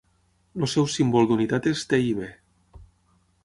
El seu símbol d'unitat és TiB.